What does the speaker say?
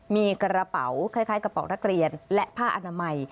มีกระเป๋าคล้ายกระเป๋านักเรียนและผ้าอนามัย